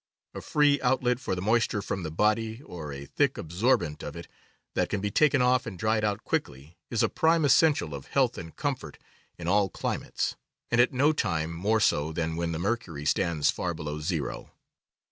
A free outlet for the moisture from the body, or a thick absorbent of it that can be taken off and dried out quickly, is a prime essential of health and comfort in all climates, and at no time more so than when the mercury stands far below zero.